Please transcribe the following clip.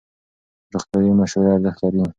روغتیایي مشوره ارزښت لري.